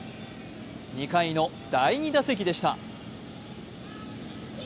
２回の第２打席でした。